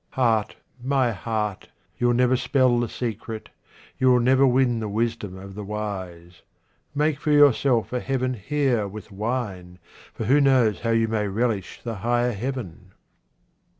Heart, my heart, you will never spell the secret, 64 QUATRAINS OF OMAR KHAYYAM you will never win the wisdom of the wise. Make for yourselves a heaven here with wine, for who knows how you may relish the higher heaven